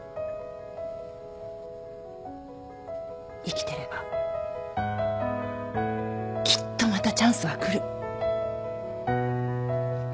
生きてればきっとまたチャンスは来る。